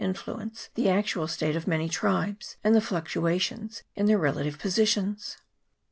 231 influence the actual state of many tribes, and the fluctuations in their relative positions.